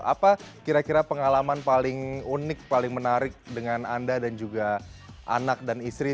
apa kira kira pengalaman paling unik paling menarik dengan anda dan juga anak dan istri